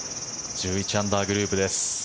１１アンダーグループです。